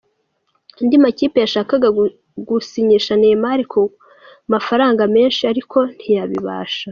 Andi makipe yashakaga gusinyisha Neymar ku mafaranga menshi ariko ntiyabibasha”.